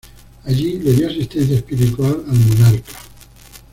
Allí le dio asistencia espiritual al monarca.